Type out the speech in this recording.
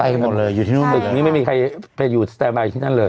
ไปหมดเลยอยู่ที่นู่นหมดเลยอีกนี้ไม่มีใครไปอยู่ที่นั่นเลย